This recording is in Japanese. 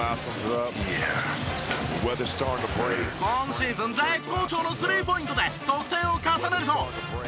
「いや」今シーズン絶好調のスリーポイントで得点を重ねると。